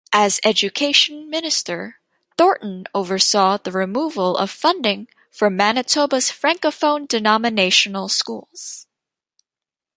As education minister, Thornton oversaw the removal of funding for Manitoba's francophone denominational schools.